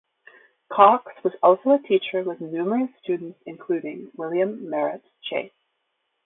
Cox was also a teacher with numerous students including William Merritt Chase.